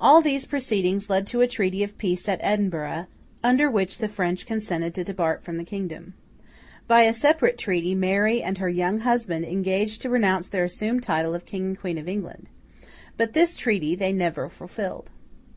All these proceedings led to a treaty of peace at Edinburgh, under which the French consented to depart from the kingdom. By a separate treaty, Mary and her young husband engaged to renounce their assumed title of King and Queen of England. But this treaty they never fulfilled.